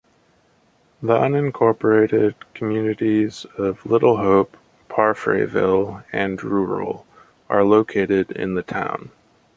The unincorporated communities of Little Hope, Parfreyville, and Rural are located in the town.